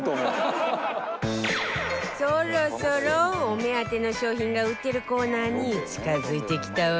そろそろお目当ての商品が売ってるコーナーに近付いてきたわよ